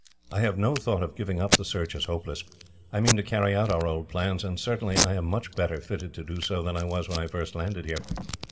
I have no thought of giving up the search as hopeless. I mean to carry out our old plans; and certainly I am much better fitted to do so than I was when I first landed here.